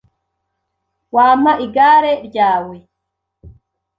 Wampa igare ryawe?